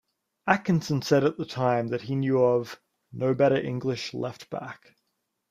Atkinson said at the time he knew of "no better English left-back".